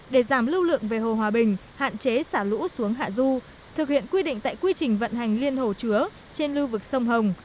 để giảm lưu lượng về hồ hòa bình hạn chế xả lũ xuống hạ du thực hiện quy định tại quy trình vận hành liên hồ chứa trên lưu vực sông hồng